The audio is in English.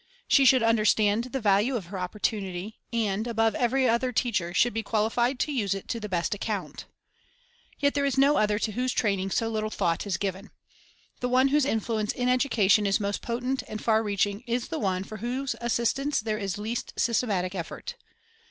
She should understand the value of her opportunity, and, above every other teacher, should be qualified to use it to the best account. Yet there is no other to whose training so little thought is given. The one whose influence in education is most potent and far reaching is the one for whose assistance there is the least systematic effort.